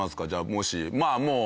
もしまあもう。